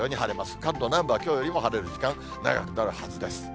関東南部はきょうよりも晴れる時間、長くなるはずです。